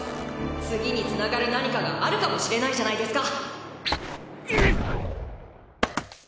次につながる何かがあるかもしれないじゃないですか。